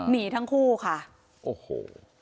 หนีทั้งคู่ค่ะโอ้โห